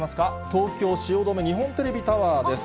東京・汐留、日本テレビタワーです。